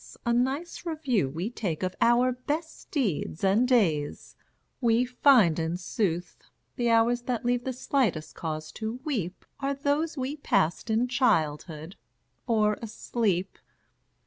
a nice review we take Of our best deeds and days, we find, in sooth, The hours that leave the slightest cause to weep Are those we passed in childhood or asleep!